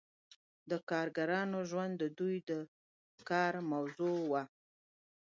د کارګرانو ژوند د دوی د کار موضوع وه.